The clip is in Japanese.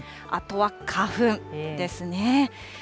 あとは花粉ですね。